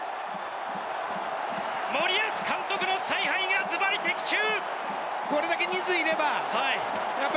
森保監督の采配がズバリ的中。